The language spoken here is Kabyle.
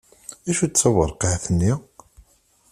Acu d taburqiεt-nni?